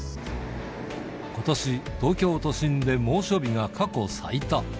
ことし、東京都心で猛暑日が過去最多。